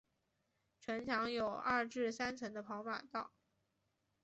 城墙有二至三层的跑马道。